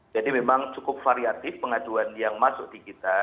jadi memang cukup variatif pengaduan yang masuk di kita